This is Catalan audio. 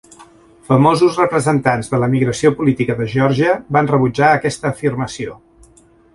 Famosos representants de l'emigració política de Geòrgia van rebutjar aquesta afirmació.